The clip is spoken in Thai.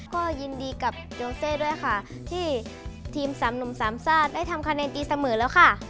ก็ยินดีกับโยเซด้วยค่ะที่ทีมสามหนุ่มสามชาติได้ทำคะแนนตีเสมอแล้วค่ะ